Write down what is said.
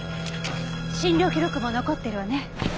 診療記録も残ってるわね。